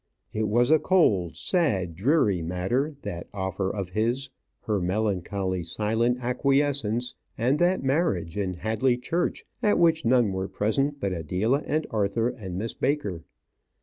It was a cold, sad, dreary matter that offer of his; her melancholy, silent acquiescence, and that marriage in Hadley church, at which none were present but Adela and Arthur, and Miss Baker.